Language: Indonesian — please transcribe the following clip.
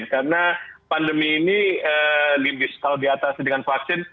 karena pandemi ini lebih sekaligus diatas dengan vaksin